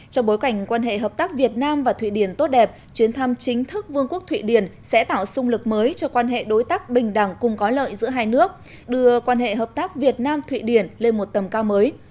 trong bối cảnh quan hệ hợp tác việt nam và thụy điển tốt đẹp chuyến thăm chính thức vương quốc thụy điển sẽ tạo sung lực mới cho quan hệ đối tác bình đẳng cùng có lợi giữa hai nước đưa quan hệ hợp tác việt nam thụy điển lên một tầm cao mới